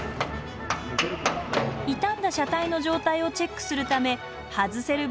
傷んだ車体の状態をチェックするため外せる